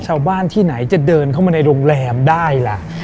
ชาวบ้านที่ไหนจะเดินเข้ามาในโรงแรมได้ล่ะ